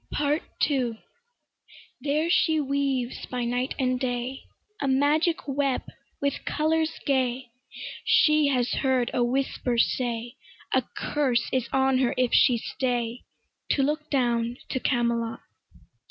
PART II There she weaves by night and day A magic web with colours gay. She has heard a whisper say, A curse is on her if she stay To look down to Camelot.